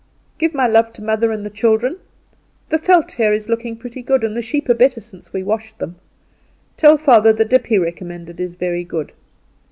"Give my love to mother and the children. The veld here is looking pretty good, and the sheep are better since we washed them. Tell father the dip he recommended is very good.